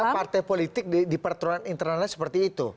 jadi semua partai politik di peraturan internalnya seperti itu